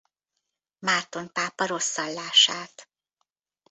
Márton pápa rosszallását.